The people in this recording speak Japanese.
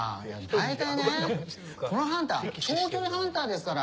大体ね、このハンター長距離ハンターですから。